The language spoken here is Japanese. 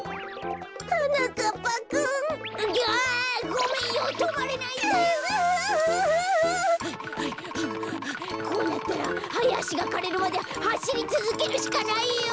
こうなったらハヤアシがかれるまではしりつづけるしかないよ！